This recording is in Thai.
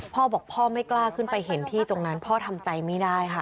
พ่อบอกพ่อไม่กล้าขึ้นไปเห็นที่ตรงนั้นพ่อทำใจไม่ได้ค่ะ